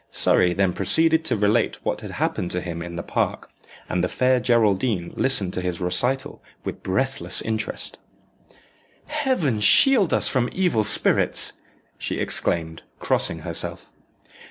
Surrey then proceeded to relate what had happened to him in the park, and the fair Geraldine listened to his recital with breathless interest. "Heaven shield us from evil spirits!" she exclaimed, crossing herself.